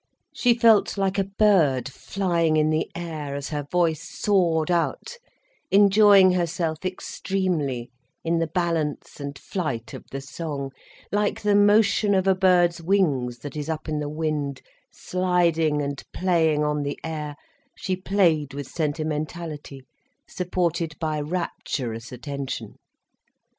She felt like a bird flying in the air, as her voice soared out, enjoying herself extremely in the balance and flight of the song, like the motion of a bird's wings that is up in the wind, sliding and playing on the air, she played with sentimentality, supported by rapturous attention.